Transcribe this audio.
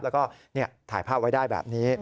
แล้วก็ถ่ายภาพไว้ได้แบบนี้